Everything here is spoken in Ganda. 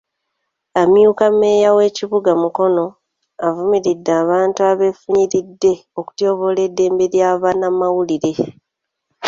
Amyuka mmeeya w'ekibuga Mukono avumiridde abantu abeefunyiridde okutyoboola eddembe ly'abamawulire.